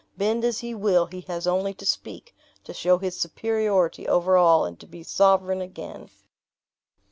Bend as he will, he has only to speak, to show his superiority over all, and to be sovereign again."